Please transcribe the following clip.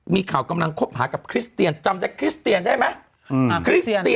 มีข่าวกำลังคบหากับคริสเตียนจำได้คริสเตียนได้ไหม